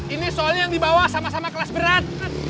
ini soalnya yang dibawa sama sama kelas berat